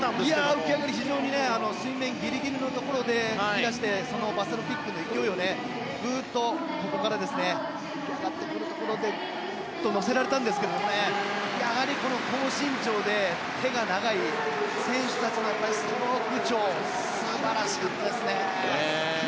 浮き上がり非常に水面ギリギリのところでかき出してバサロキックの勢いをグーッとここから浮かび上がってくるところで乗せられたんですけどもやはり高身長で手が長い選手たちのストローク長素晴らしかったですね。